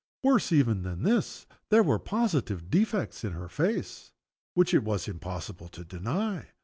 Worse even than this, there were positive defects in her face, which it was impossible to deny.